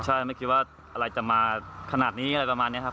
ใช่ไม่คิดว่าอะไรจะมาขนาดนี้อะไรประมาณนี้ครับ